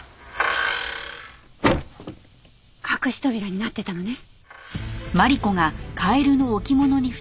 隠し扉になってたのね。